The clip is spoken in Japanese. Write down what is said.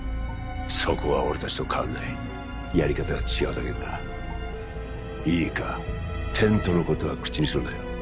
そこは俺達と変わらないやり方が違うだけでないいかテントのことは口にするなよ